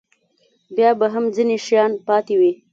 بیا به هم ځینې شیان پاتې وي.